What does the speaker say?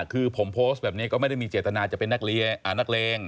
คือผมโพสต์แบบนี้ก็ไม่ได้มีเจตนาจะเป็นนักเลง